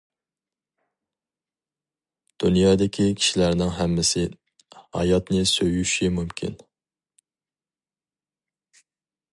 دۇنيادىكى كىشىلەرنىڭ ھەممىسى ھاياتنى سۆيۈشى مۇمكىن.